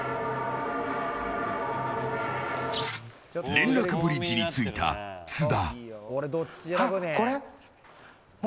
連絡ブリッジに着いた津田。